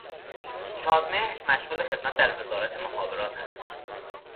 شادمهر مشغول خدمت در وزارت مخابرات است